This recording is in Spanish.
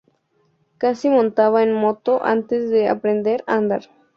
Casi montaba en moto antes de aprender a andar.